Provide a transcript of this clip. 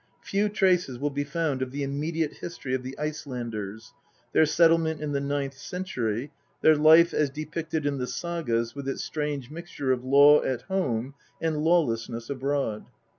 Few traces will be found of the immediate history of the Icelanders, their settlement in the ninth century, their life as depicted in the sagas with its strange mixture of law at home and lawlessness abroad.